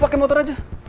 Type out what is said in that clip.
gue cek dulu dah